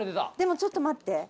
「でもちょっと待って。